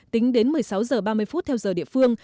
tính đến một mươi sáu h ba mươi theo giờ địa phương